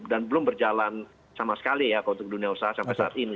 dan belum berjalan sama sekali ya untuk dunia usaha sampai saat ini